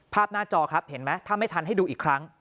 หน้าจอครับเห็นไหมถ้าไม่ทันให้ดูอีกครั้ง